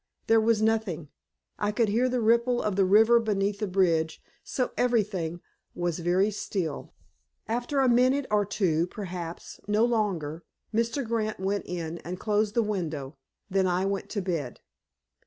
There was nothing. I could hear the ripple of the river beneath the bridge, so everything was very still. After a minute, or two, perhaps—no longer—Mr. Grant went in, and closed the window. Then I went to bed."